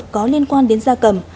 có liên quan đến da cầm